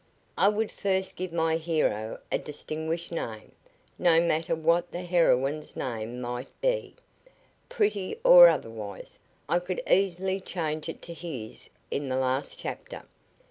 "I would first give my hero a distinguished name. No matter what the heroine's name might be pretty or otherwise I could easily change it to his in the last chapter."